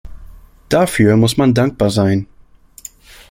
Dafür muss man dankbar sein.